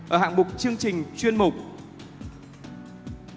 ở hạng mục chương trình chuyên mục an ninh quảng ninh